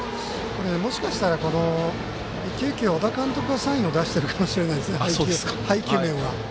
もしかしたら一球一球、小田監督がサインを出しているかもしれません配球面は。